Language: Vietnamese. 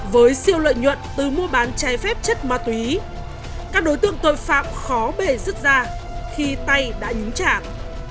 với siêu lợi nhuận từ mua bán trái phép chất ma túy các đối tượng tội phạm khó bể rứt ra khi tay đã nhúng chảm